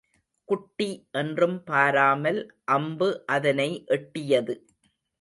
குட்டி என்றும் பாராமல் அம்பு அதனை எட்டியது.